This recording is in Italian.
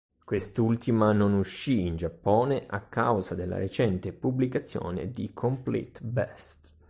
Quest'ultima non uscì in Giappone a causa della recente pubblicazione di "Complete Best".